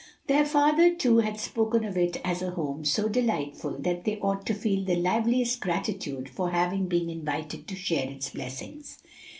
Their father, too, had spoken of it as a home so delightful that they ought to feel the liveliest gratitude for having been invited to share its blessings.